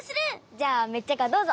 じゃあメッチャカどうぞ！